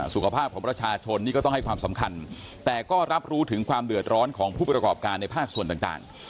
สุขภาพของประชาชนนี่ก็ต้องให้ความสำคัญแต่ก็รับรู้ถึงความเดือดร้อนของผู้ประกอบการในภาคส่วนต่าง